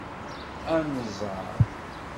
Ad nẓeṛ.